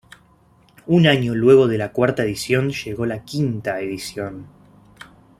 Un año luego de la cuarta edición llegó la quinta edición.